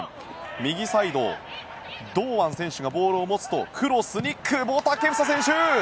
右サイド堂安選手がボールを持つとクロスに久保建英選手！